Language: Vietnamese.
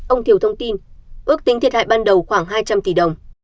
ông thiểu thông tin ước tính thiệt hại ban đầu khoảng hai trăm linh tỷ đồng